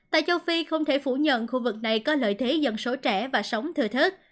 tại châu phi không thể phủ nhận khu vực này có lợi thế dân số trẻ và sống thừa thớt